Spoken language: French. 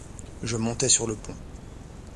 Je montai sur le pont.